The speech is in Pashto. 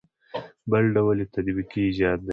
بل ډول یې تطبیقي ایجاد دی.